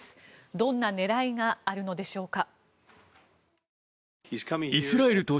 どんな狙いがあるのでしょうか。